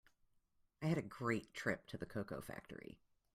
I had a great trip to a cocoa factory.